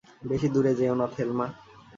বেশি দূরে যেও না, থেলমা।